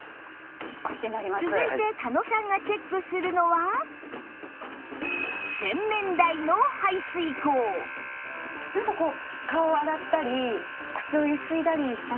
続いて狩野さんがチェックするのはなんかこう。